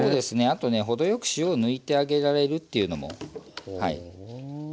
あとね程よく塩を抜いてあげられるっていうのもはい。